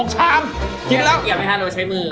กินแล้วใช้มือ